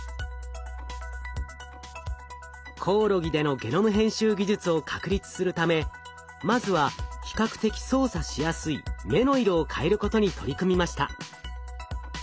コオロギでのゲノム編集技術を確立するためまずは比較的操作しやすい目の色を変えることに取り組みました。